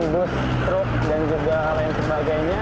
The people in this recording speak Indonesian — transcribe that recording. bus truk dan juga hal lain sebagainya